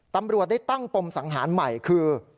ตำรวจได้ตั้งปมสังหารใหม่คือ